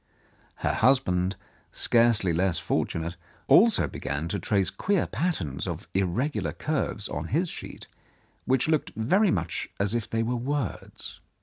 Her husband, scarcely less fortunate, also began to trace queer patterns of irregular curves on his 177 Mrs. Andrews's Control sheet, which looked very much as if they were words.